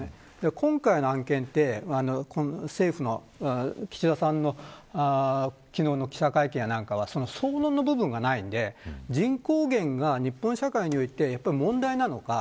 今回の案件は岸田さんの記者会見の中でその部分がないので人口減が日本社会において問題なのか。